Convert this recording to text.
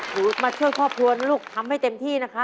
มาช่วยครอบครัวนะลูกทำให้เต็มที่นะคะ